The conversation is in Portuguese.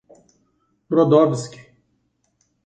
Brodowski